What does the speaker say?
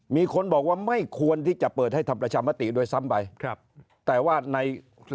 มีคนบอกว่าไม่ควรที่จะเปิดให้ทำประชามนตรีโดยส้ำไป